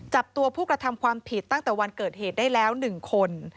จับตัวผู้กระทำความผิดตั้งแต่วันเกิดเหตุได้แล้ว๑คน